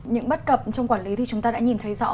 những bất cập trong quản lý thì chúng ta đã nhìn thấy rõ